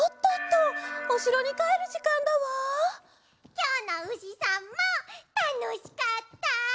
きょうのうしさんもたのしかった！